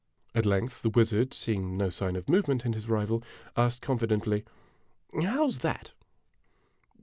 At length the wizard, seeing no sign of movement in his rival, asked confidently :" How 's that?"